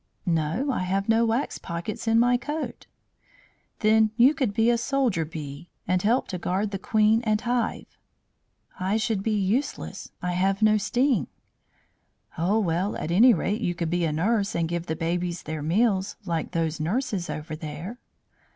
"No. I have no wax pockets in my coat." "Then you could be a soldier bee, and help to guard the Queen and hive." "I should be useless. I have no sting." "Oh, well, at any rate you could be a nurse and give the babies their meals, like those nurses over there."